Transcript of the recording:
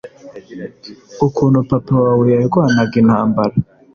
ukuntu papa wawe yarwanaga intambara